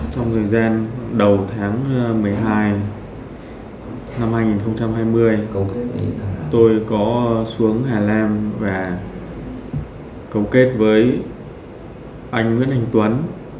trong thời gian đầu tháng một mươi hai năm hai nghìn hai mươi tôi có xuống hà nam và cầu kết với anh nguyễn anh tuấn